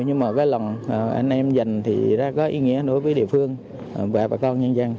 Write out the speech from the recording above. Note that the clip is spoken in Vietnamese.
nhưng mà cái lòng anh em dành thì rất có ý nghĩa đối với địa phương và bà con nhân dân